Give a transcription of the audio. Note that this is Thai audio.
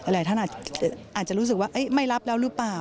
หลายท่านอาจจะรู้สึกว่าไม่รับแล้วหรือเปล่า